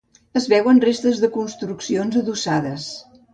Es veuen restes de construccions adossades.